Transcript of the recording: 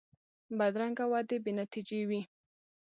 بدرنګه وعدې بې نتیجې وي